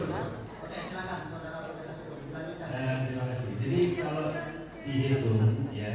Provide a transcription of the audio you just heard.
bapak boleh selesai